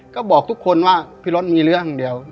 ก็บอกทุกคนว่าพี่รถมีเรื่องเดียว